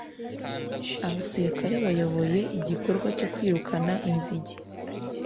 Abasirikare bayoboye igikorwa cyo kwirukana inzige